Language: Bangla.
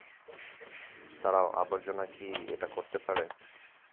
দাঁড়াও, আবর্জনা কি এটা করতে পারে?